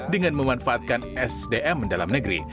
dengan memanfaatkan sdm dalam negeri